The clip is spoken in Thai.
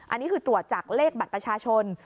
อันนี้คือตรวจจากเลขบัตรประชาชน